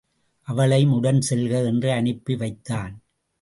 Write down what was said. அவளையும் உடன் செல்க என்று அனுப்பி வைத்தான்.